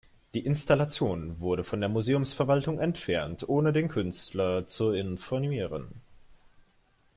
Die Installation wurde von der Museumsverwaltung entfernt, ohne den Künstler zu informieren.